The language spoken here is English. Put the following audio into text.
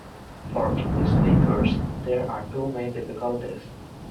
For English-speakers there are two main difficulties.